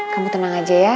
kamu tenang aja ya